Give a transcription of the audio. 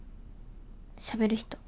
しゃべる人。